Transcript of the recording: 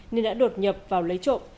nên đã đột nhập vào lấy trộm